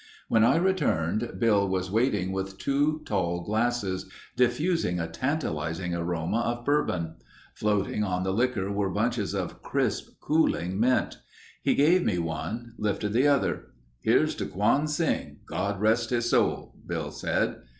When I returned Bill was waiting with two tall glasses, diffusing a tantalizing aroma of bourbon. Floating on the liquor were bunches of crisp, cooling mint. He gave me one, lifted the other. "Here's to Quon Sing. God rest his soul," Bill said.